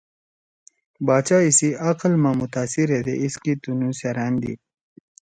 باچا ایِسی عقل ما متاثر ہیدے ایسکے تنُو سیرأن دیِد۔